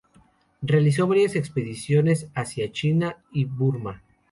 Realizó varias expediciones hacia China y Burma.